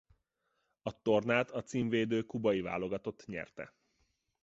A tornát a címvédő kubai válogatott nyerte.